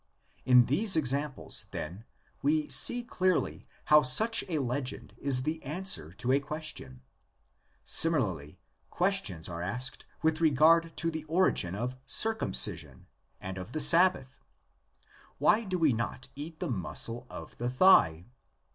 In these examples, then, we see clearly how such a legend is the answer to a question. Similarly, questions are asked with regard to the origin of circumcision, and of the Sabbath. Why do we not eat the muscle of the thigh?